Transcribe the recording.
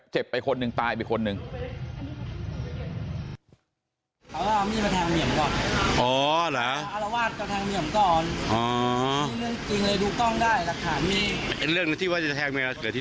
ไปคนหนึ่งตายไปคนหนึ่ง